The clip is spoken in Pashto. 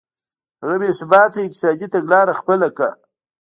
هغه بې ثباته اقتصادي تګلاره خپله کړه.